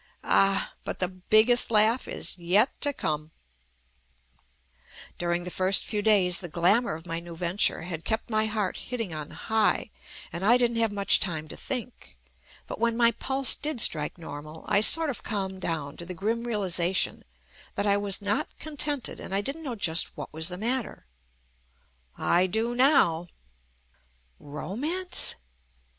Ah! but the biggest laugh is yet to come During the first few days the glamour of my new venture had kept my heart hitting on "high," and I didn't have much time to think, but when my pulse did strike normal, I sort of calmed down to the grim realization that I was not contented and I didn't know just what was the matter. I DO NOW. Romance?